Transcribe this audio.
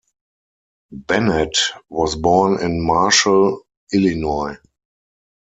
Bennett was born in Marshall, Illinois.